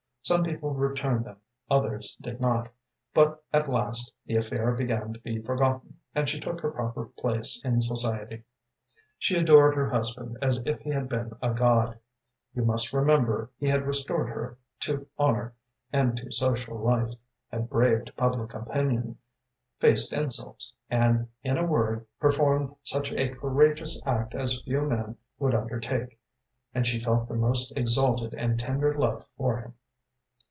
Some people returned them, others did not; but, at last, the affair began to be forgotten, and she took her proper place in society. “She adored her husband as if he had been a god; for, you must remember, he had restored her to honor and to social life, had braved public opinion, faced insults, and, in a word, performed such a courageous act as few men would undertake, and she felt the most exalted and tender love for him.